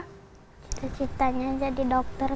cita citanya jadi dokter